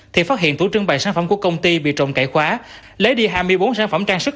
thì phát hiện tủ trưng bày sản phẩm của công ty bị trộm cải khóa lấy đi hai mươi bốn sản phẩm trang sức